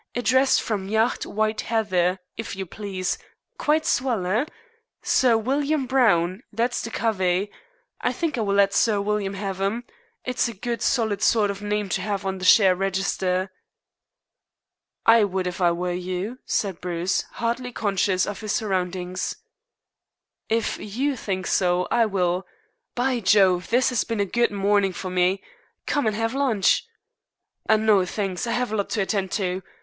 Addressed from 'Yacht White Heather,' if you please. Quite swell, eh? Sir William Browne! That's the covey. I think I will let Sir William have 'em. It's a good, solid sort of name to have on the share register." "I would if I were you," said Bruce, hardly conscious of his surroundings. "If you think so, I will. By Jove, this has been a good morning for me. Come and have lunch." "No, thanks. I have a lot to attend to.